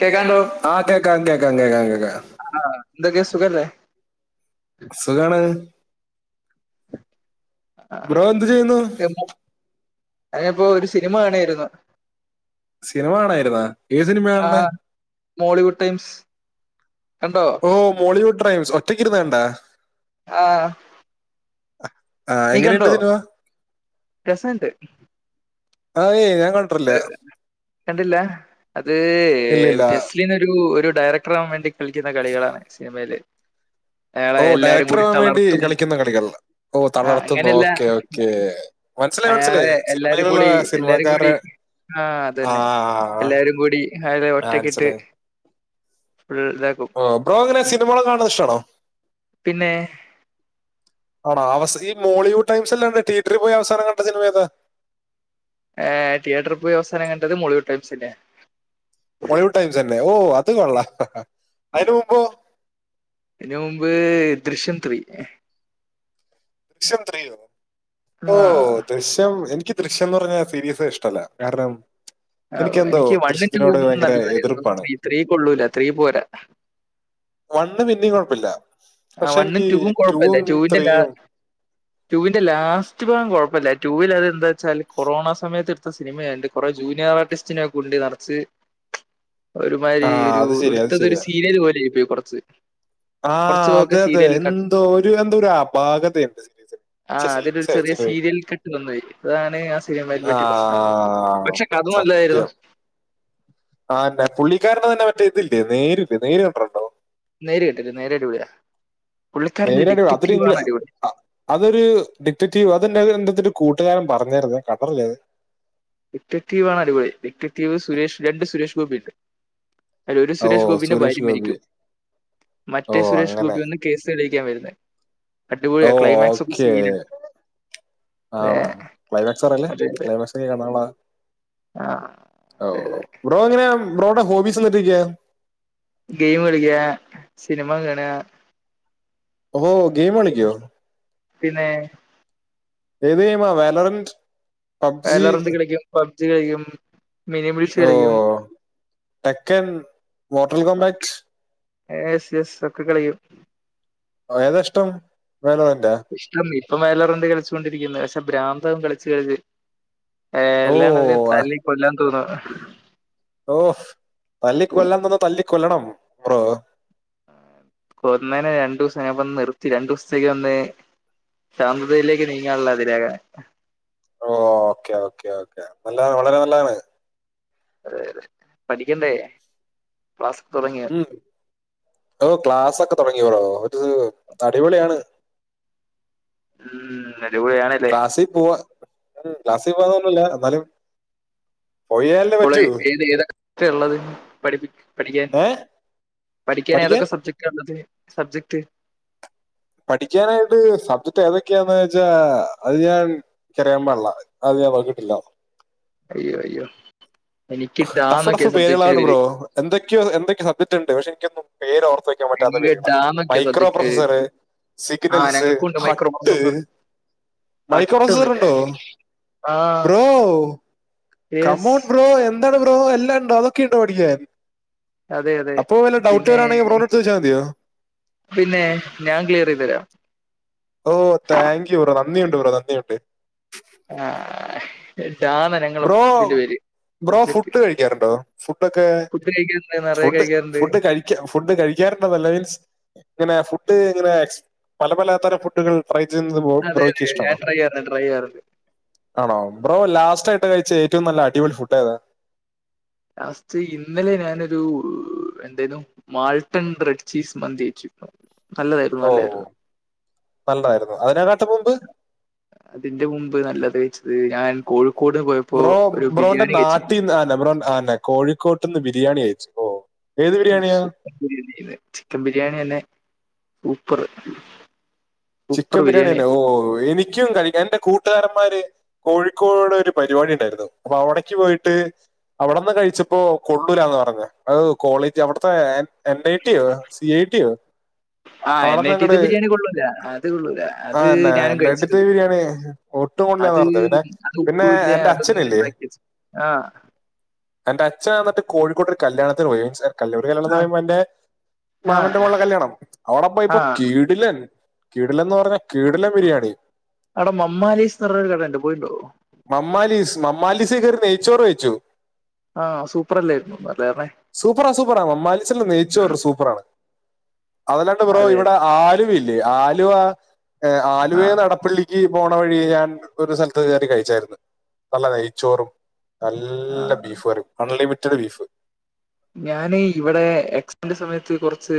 കേക്കാണ്ടോ കേക്കാവോ ആ കേക്കാം കേക്കാം കേക്കാം ആഹ് എന്താക്കെ സുഖല്ലേ സുഖാണ് ആ ബ്രോ എന്ത് ചെയ്യുന്നു അയ്പ്പോ അയപ്പോ ഒരു സിനിമ കാണായിരുന്നു സിനിമ കാണായിരുന്നാ ഏത് സിനിമേ ആ കാണുന്നേ മോളിവുഡ് ടൈംസ് കണ്ടോ ഓഹ മോളിവുഡ് ട്രൈംസ് ഒറ്റയ്ക്ക ഇരുന്ന്കണ്ടോ ആഹ് ആഹ് എങ്ങനെയുണ്ട് സിനിമ രസമുണ്ട് ആ ഏയ് ഞാൻ കൺ- കണ്ടില്ല അത് ഇല്ല ഇല്ല ജസ്ലിൻ ഒരു ഒരു ഡയറക്ടറ ആകൻ വേണ്ടി കളിക്കുന്ന കളികളാണ് സിനിമയില് അയാളെ ഓ എല്ലാരും ഡയറക്ടർ കൂടി ആവാൻ വേണ്ടി തളർത്തും കളിക്കുന്ന കളികൾ ഓ ആ തളർത്തുന്നു അങ്ങനെയല്ല ഓക്കെ ഓക്കെ മനസ്സിലായി മനസ്സിലായി അയാളെ എല്ലാരും സിനിമയിലുള്ള കൂടി എല്ലാരും കൂടി സിനിമക്കാരുടെ ആഹ ആ അതെന്നെ എല്ലാരും കൂടി അവനെ ആ, ഒറ്റക്കിട്ട് മനസ്സിലായി ഉം ളേ കോ ഓ ബ്രോ എങ്ങനെ സിനികൾ കാണുന്നത് ഇഷ്ടാണോ പിന്നെ ആണോ അവസ് ഈ മോളിവു ടൈംസല്ലാതെ തീയറ്ററിൽ പോയി അവസാനം കണ്ട സിനിമ ഏതാ ഏ തിയേറ്ററിൽ പോയി അവസാനം കണ്ടത് മോളിവൂടൈംസന്നെ മോളിവുടൈംസന്നെ ഓ അത് കൊള്ളാ അതിന് മുബൊ അയ്ന് മുമ്പ് ദൃശ്യം ത്രീ ദൃശ്യം ത്രിയോ ഓ ആ ദൃശ്യം എനിക്ക് ദൃശ്യം എന്ന് പറഞ്ഞാ സീരിയസ് ഇഷ്ടമല്ല കാരണം ആഹ് എനികെന്തോ എനിക്ക് വണ്ണും ദൃശ്യത്തിനോട് ടൂവും ഭയങ്കര നല്ലതായിരുന്നു. എതിർപ്പാണ് ത്രീ ത്രീ കൊള്ളൂല ത്രീ പോരാ വണ്ണ് പിന്നിം കൊഴപ്പല്ല ആ വണ്ണും ടൂവും കുഴപ്പല്ലേ ടൂവിന്റെ കാ ടുൂവിന്റെ ലാസ്റ്റ് ഭാഗം കൊഴപ്പമില്ല റ്റൂവിൽ അതിലെന്താ എന്ന വച്ചാൽ കൊറോണ സമയത്ത് സിനിമയായ്ണ്ട്. കുറെ ജൂനിയർ ആർട്ടിസ്റ്റിനെ ഒക്കെ കൊണ്ട് നറച്ച് ആ ഒരുമാതിരി ഒരു, അത് ശരി അത് എടുത്തത് ഒരു ശരിയാ സീരിയൽ പോലെയായി പോയി കുറച്ച്. ആഹ കുറച്ച് ഭാഗമൊക്കെ അതെ അതെ, സീരിയൽ കട്ട് എന്തോ ഒരു, എന്തോ ഒരു അപാകതയാണ്. ആഹ്.. അതിന്റെ ഒരു ചെറിയ സീരിയൽ കെട്ട് വന്നതായി. അതാണ് ആ സിനിമക്ക് ആ പറ്റിയ പ്രശ്നം. പക്ഷെ അത് നല്ലതായിരുന്നു സത്യം ആ ദെ പുള്ളിക്കാരൻ്റെ തന്നെ, മറ്റേ ഇതില്ലേ. നേരിട്ട്. നേരിയ നമ്പറുണ്ടാകും. നേര് ഇട്ടിട്ട്. നേരെ ഇട്ടിട്ട് നേരെ ഇടൂല്ല. നേരിടും അതൊരു ഇൻവെസ് അടിപൊളി. ആ അതൊരു ഡിക്റ്റക്റ്റീവ് അതെൻ്റെ ത് എ എന്തത്തിൻ്റെഒരു കൂട്ടുകാരൻ പറഞ്ഞായിരുന്നു കണ്ടക്കെ ചെയ്തു ഡിക്ടറ്റീവ് ആണ് അടിപ്പൊളി ഡിക്ടറ്റീവ് സുരേഷ്, രണ്ട് സുരേഷ് ഗോപിയുണ്ട്. അതി ഒരു ഓ സുരേഷ് ഗോപിന്റെ ഭാര്യ സുരേഷ് ഗോപി മരിക്കും ഓ മറ്റേ സുരേഷ് അങ്ങനെ ഗോപി വന്ന് കേസ് തെളിയിക്കാൻ വരുന്നെ ഓ അടിപൊളിയാ ക്ലൈമാക്സ് ഒക്കെ ഓക്കേ സീനാ. അതെ ആണോ ക്ലൈമാക്സ് പറയല്ലേ അതെ അതെ ക്ലൈമാക്സ് നള ആഹ് അതെ അതെ ബ്രോ എങ്ങനെ ബ്രോയുടെ ഹോബീസ് എന്തുട്ടൊക്കെയ ഗെയിം കളിക്ക സിനിമ കാണുവ ഓഹ് ഗെയിമ് കളിക്കോ പിന്നെ ഏത് ഗെയിമാ വയലറൻസ് വാലോറണ്ട് കളിക്കും പബ്ജി കളിക്കും മിനി മിൽസ് ഓ കളിക്കും ടെക്കൻ മോർട്ടൽ കോമ്പാക്ട് എസ് യെസ് ഒക്കെ കളിക്കും ഏതാഷ്ട്ടം വാലോറണ്ടാ ഇഷ്ടം ഇപ്പം വാലോറണ്ട് കളിച്ചോണ്ടിരിക്കുന്നെ പക്ഷെ ഭ്രാന്താവും കളിച്ച് കഴിഞ്ഞ് ഓ എല്ലാണത്തിനെ ആ, തല്ലി കൊല്ലാൻ തോന്നുവ ഓഹ് തല്ലി കൊല്ലാൻ തോന്നിയാ തല്ലിക്കൊല്ലണം ബ്രോ കൊന്നേനേ രണ്ടു ദിവസം ഞ ഇപ്പ നിർത്തി രണ്ടു ദിവസത്തേക്ക് ഒന്നേ ശാന്തതയിലേക്ക് നീങ്ങാനുള്ള അതിരാഗ ഓ ഓക്കെ ഓക്കേ ഓക്കേ അപ്പല്ല വളരെ നല്ലതാണ് അതെ അതെ പഠിക്കണ്ടേ ക്ലാസ്സക്കെ തുടങ്ങിയ ഉം. ഓ ക്ലാസ് ഒക്കെ തുടങ്ങി ബ്രോ ഒരു അടിപൊളിയാണ് ഉം അടിപൊളിയാണ് ക്ലാസ്സിൽ പോവാ ക്ലാസ്സിൽ പോവന്നുല്ല എന്നാലും. പോയാലേ പറ്റൂ കോളേജിൽ ഏത് ഏത് ഒക്ക ഉള്ളത് പഠിപ്പി പഠിക്കാൻ ഏ പഠിക്കാൻ ഏതൊക്കെ സബ്ജക്ടാണുള്ളത് സബ്ജക്ട് പഠിക്കാനായിട്ട് സബ്ജക്ട് ഏതൊക്കെയാന്ന് വെച്ചാ അത് ഞാൻ എനിക്കറിയാൻ പാടിള്ള അത് ഞാൻ നോക്കിട്ടില്ല അയ്യോ അയ്യോ എനിക്ക് ടഫ് ഡാന്നൊക്കെയ ടഫ് സബ്ജക്ട്ര് പേരുകളാണ് കഴിയല് ബ്രോ എന്തൊക്കെയോ എന്തൊക്കെ സബ്ജക്ട് ഉണ്ട് പക്ഷെ എനിക്ക് ഒന്നും പേര് ഓർത്ത് വെക്കാൻ പറ്റാത്ത നിങ്ങൾക്ക് പേരുകളാ ഡാന്നൊക്കെയാ മൈക്രോ സബ്ജക്റ്റ് പേര് പ്രൊസസറ് ആ സിഗ്നൽസ് ഞങ്ങൾക്കുണ്ട് മൈക്രോ ഹട്ട് പ്രോസസർ മൈക്കറസറണ്ടോ അട്ടൊന്നില്ല ആ ബ്രോ യെസ് കമോൺ ബ്രോ എന്താണ് ബ്രോ എല്ലാം ഉണ്ടോ അതൊക്കെ ഉണ്ടോ പഠിക്കാൻ അതെ അതെ അപ്പൊ വല്ല ഡൗട്ട് പിന്നെ വരാണെങ്കിൽ ബ്രോനെ അടുത്ത് ചോദിച്ചാൽ മതിയോ പിന്നെ ഞാൻ ക്ലിയർ ചെയ്ത് തരാം ഓ താങ്ക്യൂ ബ്രോ നന്ദിയുണ്ട് ബ്രോ നന്ദിയുണ്ട് ആഹ് ഇതാണ് ഞങ്ങളുടെ ബ്രോ ബുക്കിൻ്റെ പേര് ബ്രോ സബ്ജക്റ്റ് ഫുഡ് കഴിക്കാറുണ്ടോ ഫുഡൊക്കെ ഫുഡ് കഴിക്കാറുണ്ട് നിറയെ ഫുഡ് കഴിക്കാറുണ്ട് ഫുഡ് കഴി ഫുഡ് കഴിക്കാറുണ്ടോന്നല്ല മീൻസ് ഇങ്ങനെ ഫുഡ് ഇങ്ങനെ പല പലതരം ഫുഡുകൾ ഫ്രൈ ചെയ്യുന്നത് ബ്രോ അതെ ബ്രോയ്ക്ക് അതെ ഞാൻ ഇഷ്ടാണോ ട്രൈ ചെയ്യാറുണ്ട് ട്രൈ ചെയ്യാറുണ്ട് ആണോ ബ്രോ ലാസ്റ്റ് ആയിട്ട് കഴിച്ച ഏറ്റവും നല്ല അടിപൊളി ഫുഡ് ഏതാ ലാസ്റ്റ് ഇന്നലെ ഞാനൊരു എന്തേനു മാൾട്ടൺ ബ്രെഡ്ഡ്ചീസ് മന്തി കഴിച്ചു നല്ലതായിരുന്നു ഓ നല്ലായിരുന്നു നല്ലതായിരുന്നു അതിനെകാട്ടു മുമ്പ് അതിന്റെ മുമ്പ് നല്ലത് കഴിച്ചത് ഞാൻ കോഴിക്കോട്ന്ന് പോയ ബ്രോ ബ്രോന്റെ നാട്ടിന്ന് അന്നെ ബ്രോന്ന അന്നെ കോഴിക്കോട്ട് നിന്ന് ബിരിയാണി കഴിച്ചു ഓ ഏത് ബിരിയാണിയാ സൂപ്പർ ബിരിയാണിന്ന് ചിക്കൻ ബിരിയാണി തന്നെ സൂപ്പറ് ചിക്കൻ ബിരിയാണിന്നെ ഓ എനിക്കും കഴി എന്റെ കൂട്ടുകാരന്മാര് കോഴിക്കോട് ഒരു പരിപാടി ഉണ്ടായിരുന്നു അപ്പൊ അവിടക്ക് പോയിട്ട് അവിടെന്ന് കഴിച്ചപ്പോ കൊള്ളൂലാന്ന് പറഞ്ഞ് അ കോളേജ് അവിടുത്തെ എൻ ഐ ടിയോ സിഐടി യോ ആഹ് എൻ ഐ റ്റിത്തെ ബിരിയാണി കൊള്ളൂല അത് കൊള്ളൂല ആ അത് ഞാനും നെട്ടിത്തെ കഴിച്ചിരുന്നു ബിരിയാണി ഒട്ടും കൊള്ളില്ലാന്ന് അത് പറഞ്ഞത് പിന്നെ അത് പിന്നെ ഉപ്പല്ല എന്റെ അത അങ്ങനെ അച്ഛനില്ലേ ഉണ്ടാക്കി വെച്ച് ആ. എന്റെ അച്ചാ എന്നിട്ട് കോഴിക്കോട് ഒരു കല്യാണത്തിന് പോയെ, കല്ലൂർ കല്യാണം എന്ന് ആ പറയുമ്പോ എന്റെ ആ മാമന്റെ മോൾടെ കല്യാണം. അവിടെ ആ പോയിപ്പൊ കീടിലൻ കീടിലന്ന് പറഞ്ഞ കീടിലൻ ബിരിയാണി അവിട മമ്മാലീസ്ന്ന് പറഞ്ഞരു കടണ്ട് പോയിണ്ടോ? മമ്മാലീസ്, മമ്മാലീസ് കയറി നെയ്ച്ചോറ് കഴിച്ചു. ആ സൂപ്പറല്ലായിരുന്നു അല്ലേ പറഞ്ഞേ സൂപ്പറാ സൂപ്പറാ മമ്മലിസിലെ നെയ്ച്ചോറ് സൂപ്പറാണ്. [inaudible] അതല്ലാണ്ട് ബ്രോ അതെ ഇവിടെ ആലുവയില്ലേ, ആലുവ ആ ആലുവെന്ന് എടപ്പള്ളി ക്ക് ഈ പോണ വഴി ഞാൻ ഒരു സ്ഥലത്ത് കയറി കഴിച്ചായിരുന്നു. നല്ല നെയ്ച്ചോറും, ആ നല്ല ബീഫ് കറി. Unlimited beef. ഞാന് ഇവിടെ എക്സാമിന്റെ സമയത്ത് കുറച്ച്,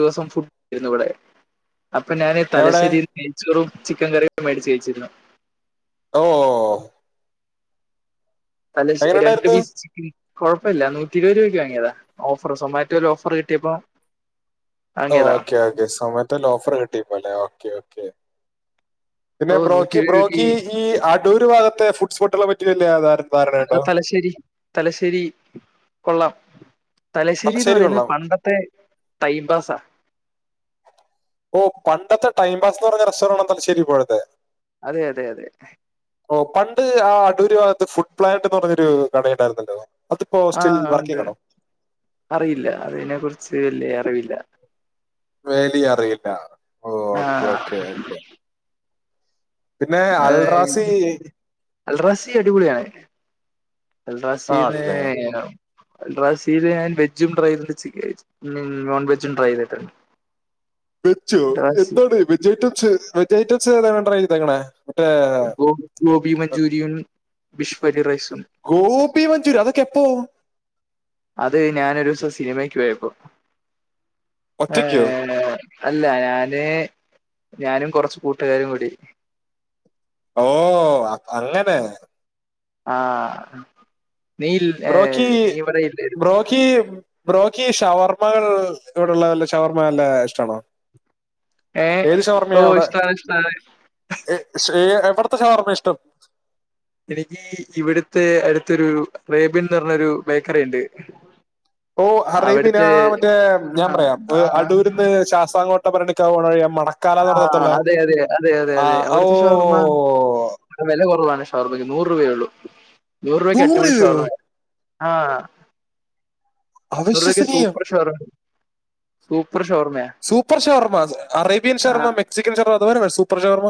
ദിവസം ഫുഡ് [unintelligible] ന്നു ഇവിടെ. അപ്പൊ ഞാന് എവിടെ തലശ്ശേയിൽ നെയ്ച്ചോറും ചിക്കൻ കറിയും മേടിച്ച് കഴിച്ചിരുന്നു. ഓ അല്ല എങ്ങനെ രണ്ട് ഉണ്ടായിരുന്നു പീസ് [unintelligible] കൊഴപ്പില്ല. നൂറ്റി ഇരുപത് രൂപയ്ക്ക് വാങ്ങിയതാ. ഓഫറ് സൊമാറ്റോൽ ഓഫർ കിട്ടിയപ്പോ. വാങ്ങിയതാ ഓക്കേ ഓക്കെ സോമ്മാടോല് ഓഫർ കിട്ടിപ്പോ അല്ലെ. Okay okay. പിന്നെ ഓ നൂറ്റി ബ്രോക്കി ഇരുപത് ബ്രോക്കി രൂപയ്ക്ക് ഈ അടൂര് ഭാഗത്തെ ഫുഡ്സ് ഹോട്ടലെ പറ്റി വല്യ ധാരണ അത് ഉണ്ടോ തലശ്ശേരി, തലശ്ശേരി കൊള്ളാം. തലശ്ശേരിന്ന് തലശ്ശേരി പറയുന്നത് കൊള്ളാം പണ്ടത്തെ ടൈം പാസാ. ഓ പണ്ടത്തെ ടൈം പാസ്ന്ന് പറഞ്ഞ റെസ്റ്റോറൻറ് ആണല്ല തലശേരി [unintelligible] അതെ അതെ അതെ. ഓ പണ്ട് ആ അടൂര് ഭാഗത്ത് ഫുഡ് പ്ലാന്റ് എന്ന് പറഞ്ഞൊരു കടയുണ്ടായിരുന്നല്ലോ. അതിപ്പോ ആ സ്റ്റിൽ ഉണ്ട്. വർക്കിംഗ് ആണോ അറിയില്ല, അതിനെ കുറിച്ച് വലിയ അറിവില്ല. വേലിയ അറിയില്ല. ഓക്കെ ഓക്കെ ആഹ്. ഓക്കെ പിന്നെ അൽറാസി ഏഹ് അൽറാസി അടിപൊളിയാ [unintelligible] അൽരാസിന്നു ആണല്ലേ [unintelligible] അൽറാസിയില് ഞാൻ വെജും ട്രൈ ചെയ്തിട്ടുണ്ട്. ച് ചി നോൺ വെജും ട്രൈ ചെയ്തിട്ടുണ്ട്. [inaudible] വെജ് ഡ്രാസി എന്താണ് വെജ് ഐറ്റംസ് വെജ് ഐറ്റംസ് ഏതാ ട്രൈ ചെതേക്കണെ. മറ്റേ, ഗോ ഗോബി മഞ്ചൂരിയൻ, ബിഷ്ഫലി റൈസും. ഗോപി മഞ്ചൂരി അതൊക്കെ എപ്പോ? അതെ ഞാനൊരു ദിവസം സിനിമക്ക് പോയപ്പോ. ഒറ്റയ്ക്കോ ഏഹ് അല്ല ഞാന്, ഞാനും കൊറച് കൂട്ടുകാരും കൂടി. ഓ അങ്ങനെ. ആഹ നീ ഇൽ ഏ നീ വിടെ [unintelligible] [inaudible] ബ്രോക്ക് ഷവർമ്മകൾ ഇവിടെള്ള വല്ല ഷവർമ്മ നല്ല ഇഷ്ടമാണോ? ഏ ഏത് ഓ ഇഷ്ടാ ഇഷ്ട്ടാണ്. ഏഹ് ശ്രി എവിടുത്തെ ഷവർമ്മയാ ഇഷ്ടം? എനിക്ക് ഇവിടുത്തെ അടുത്തൊരു അറേബിൻന്ന് പറഞ്ഞരു ബേക്കറി ഉണ്ട്. ഓഹ് അറേബ്യൻ അവിടുത്തെ ആഹ് മറ്റേ ഞാൻ ആഹ് പറയാം, ആഹ് അടൂരിന്ന് ശാസ്താകോട്ട ഇപ്പ പറഞ്ഞിട്ട് ക പോണ വഴിയാ മടക്കാല ആഹ് നടത്തുള്ള അതെ അതെ അതെ ആഹ് ഓ. ഇപ്പ വില കുറവാണ് ഷവർമ്മക്ക്, നൂറ് രൂപയേ ഉള്ളൂ. നൂറ് രൂപയ്ക്ക് അടിപൊളി ഷവർമ്മ. ആഹ് [unintelligible] അവിശ്വസനീയം സൂപ്പർ ഷവർമ, സൂപ്പർ ഷവർമയാ. [unintelligible] ഷവർമ. അറേബ്യൻ ഷർമ്മ, മെക്സിക്കൻ ഷർമ്മ അത് വരെ വ സൂപ്പർ ഷവർമ.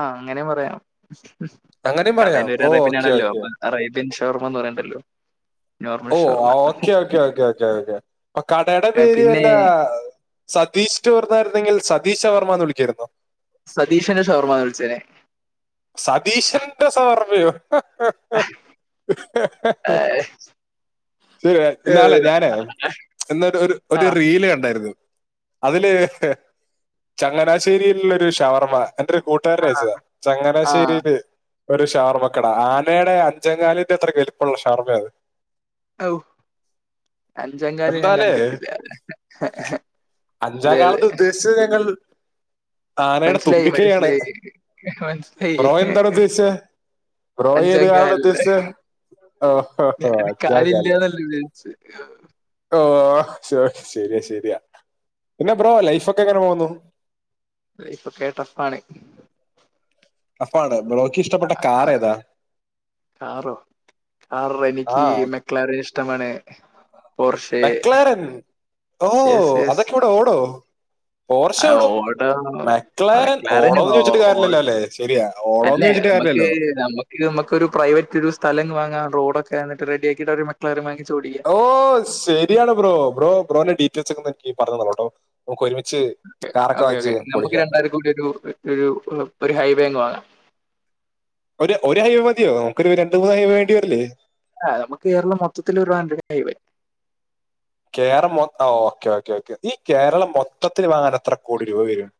ആഹ് അങ്ങനെ പറയാം. അങ്ങനെയും പറയാം കടയില് ഒരു ഓ അ [unintelligible] ഓക്കെ നാണല്ലോ ഓക്കെ [unintelligible] അറേബ്യൻ ഷവർമ എന്ന് പറയണ്ടല്ലോ നോർമൽ ഓ shawarma okay okay okay okay okay അപ്പ കടയുടെ ഏഹ് പേര് പിന്നെ അല്ലാ സതീഷ് റ്റുവർന്നായിരുന്നെങ്കിൽ സതീഷ് ഷവർമ്മ എന്ന് വിളിക്കായിരുന്നു. സതീഷിന്റെ ഷവർമ്മ വിളിച്ചനേ സതീഷന്റെ ഷവർമ്മയോ ഏഹ് ശരി ഇന്നാളെ ഏഹ് ഞാനേ എന്നൊരു ഒരു ഒരു ആഹ് റീല് കണ്ടായിരുന്നു. അതില് ചങ്ങനാശ്ശേരിയിലുള്ള ഒരു ഷവർമ്മ എന്റെ ഒരു കൂട്ടുകാരൻ ആഹ് അയച്ചതാ ആഹ് ചങ്ങനാശ്ശേരിൽ ഒരു ഷവർമ്മക്കട ആനയുടെ അഞ്ചങ്കാലിന്റെ അത്ര വലുപ്പമള്ള ഷവർമ്മയത്. ഔ അഞ്ചങ്കാല് ഞാൻ എന്താലേ കണ്ടിട്ടില്ല അഹ് അതെ അതെ സിൽ ഞങ്ങൾ ആനയുടെ തുമ്പികൈയാണ് മ [unintelligible] ബ്രോ എന്താണ് ഉദ്ദേശിച്ചേ ബ്രോ ഏതാണ് അഞ്ചാംകാലില് ഉദ്ദേശിച്ചേ ഓ ഞാൻ ഓച്ചാ കാല കാലില്ലാന്നല്ലേ വിചാരിച്ച് [unintelligible] ഓ ശ ശരിയാ ശരിയാ പിന്നെ ബ്രോ ലൈഫൊക്കെ എങ്ങനെ പോകുന്നു ലൈഫൊക്കെ ടഫാണ് ടഫാണ് ബ്രോക്കി ഷ്ടപ്പെട്ട കാർ ഏതാ കാറോ ആഹ് ക്ളറ് ഇഷ്ടമാണ് പോർഷേ മെക്ലാരൻ ഓ അതൊക്കെ ഇവിട ഓടോ പോർഷ ആ ഓടും ഓട മെക്ളാരൻ മെക്ലാരൻ ഓടുമോന്ന് ഓ ചോദിച്ചിട്ട് ഓ കാര്യല്ലല്ലോ അല്ലെ ശെരിയാ ഓടോന്ന് ചോച്ചിട്ട് കാര്യല്ലല്ലോ ഇത് നമക്കൊരു പ്രൈവറ്റ് ഒരു സ്ഥലം വാങ്ങാം റോഡൊക്കെ എന്നിട്ട് റെഡി ആക്കിട്ട് അവിടൊരു മക്കളാര വാങ്ങിച്ച് ഓടിക്കാം ഓ ശരിയാണ് ബ്രോ ബ്രോ ബ്രോന്റെ ഡീറ്റെയിൽസ് ഒക്കെ എനിക്ക് പറഞ്ഞന്നളൂട്ടോ നമുക്ക് ഒരുമിച്ച് കാറൊക്കെ വാങ്ങിച്ച് പൊളിക്കാം. എനക്കൊരു ഡൂക്ക് ഒരു ഒരു ഹൈവേങ്ങ് വാങ്ങാം. ഒരു ഒരു ഹൈവേ മതിയോ നമുക്കൊരു ഒരു രണ്ട് മൂന്ന് ഹൈവേ വേണ്ടി വരല്ലേ ആഹ് നമുക്ക് കേരളം മൊത്തത്തിൽ ഒരു വരും കേരം ഓക്കെ ഓക്കെ ഓക്കെ ഈ കേരളം മൊത്തത്തിൽ വാങ്ങാൻ എത്ര കോടി രൂപ വരും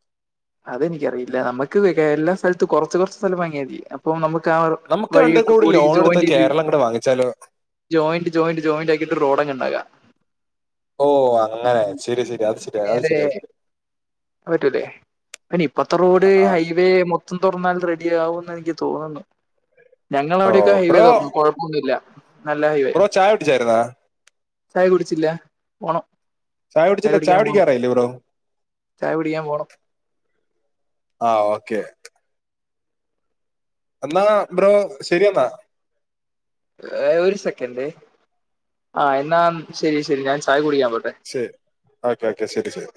അതെനിക്കറിയില്ല നമുക്ക് എല്ലാ സ്ഥലത്തും കുറച്ച് കുറച്ച് സ്ഥലം വാങ്ങിയതി ഇപ്പൊ നമുക്ക് നമുക്ക് രണ്ട് വഴിയൊക്കെ കോടി കൂടി ലോൺ എടുത്ത് ജോയിന്റ് ചെയ്ത് കേരളം അങ്ങോട്ട് വാങ്ങിച്ചാലോ ജോയിന്റ് ജോയിന്റ് ജോയിന്റാക്കിയിട്ട് റോഡങ് ഉണ്ടാക്ക ഓ അങ്ങനെ ശരി ശരി അത് ശരി അത് ശരി അത് ശരി പറ്റുല്ലേ പിനി ഇപ്പഴത്തെ റോഡ് ആ, ആ. ഹൈവേ മൊത്തം തുറന്നാൽ റെഡി ആകുംന്ന് എനിക്ക് തോന്നുന്നു. ഞങ്ങട ഓ അവിടെക്കെ ഹൈവേ ബ്രോ തുറന്നു കൊഴപ്പൊന്നുമില്ല നല്ല ഹൈവേയാ ബ്രോ ചായ കുടിച്ചായിരുന്നാ ചായ കുടിച്ചില്ല പോണം ചായ കുടിച്ചില്ല ചായ കുടിക്കാൻ പോണം കുടിക്കാറായില്ലേ ബ്രോ ചായ കുടിക്കാൻ പോണം ആഹ് ഓക്കെ എന്നാ ബ്രോ ശരിയെന്നാ ഏ ഒരു സെക്കൻഡെ ആ എന്നാ ശെരി ശെരി ഞാൻ ചായ കുടിക്കാൻ പോട്ടെ ശരി ഓക്കോക്കെ ശരി ശരി